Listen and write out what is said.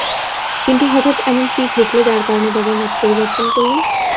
কিন্ত হঠাত এমন কী ঘটলো যার কারণে বাবা মত পরিবর্তন করলেন।